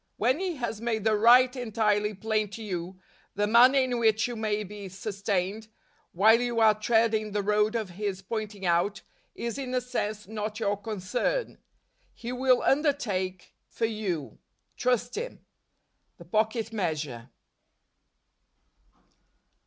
When He has made the right entirely plain to you, the manner in which you may be sustained, while you are treading the road of His pointing out, is in a sense not your concern; He will under¬ take for you. Trust Him. The Pocket Measure.